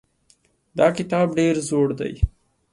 دا کتاب ډېر زوړ دی.